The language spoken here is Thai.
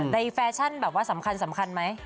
แฟชั่นแบบว่าสำคัญไหม